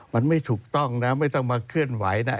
มันไม่ถูกต้องนะไม่ต้องมาเคลื่อนไหวนะ